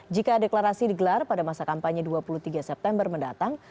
jika deklarasi digelar pada masa kampanye dua puluh tiga september mendatang